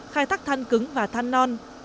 khai thác than cứng và than non